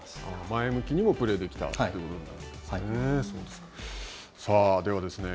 前向きにプレーできたということなんですね。